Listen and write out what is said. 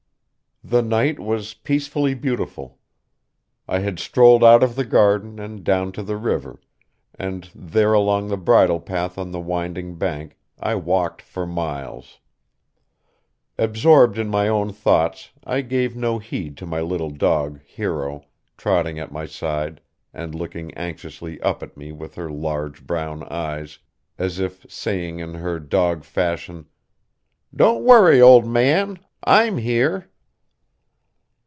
The night was peacefully beautiful. I had strolled out of the garden and down to the river, and there along the bridle path on the winding bank I walked for miles. Absorbed in my own thoughts I gave no heed to my little dog, Hero, trotting at my side and looking anxiously up at me with her large brown eyes, as if saying in her dog fashion: "Don't worry, old man; I'm here!"